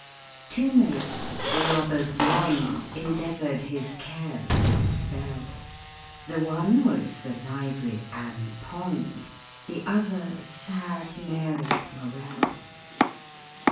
Two maidens all others beyond Endeavoured his cares to dispel— The one was the lively ANN POND, The other sad MARY MORELL.